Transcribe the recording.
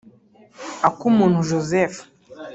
Akumuntu Joseph